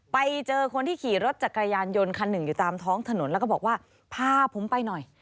ไปเจอคนที่ขี่รถจักรยานยนต์คันหนึ่งอยู่ตามท้องถนนแล้วก็บอกว่าพาผมไปหน่อย